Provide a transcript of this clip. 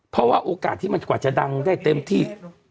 เพราะว่าโอกาสที่มันกว่าจะดังได้เต็มที่